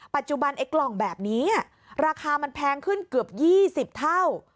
ไอ้กล่องแบบนี้ราคามันแพงขึ้นเกือบ๒๐เท่า